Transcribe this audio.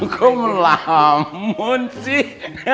kok melamun sih